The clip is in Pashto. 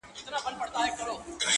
ځيني يې درد بولي ډېر,